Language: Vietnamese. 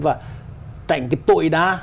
và trạnh cái tội đa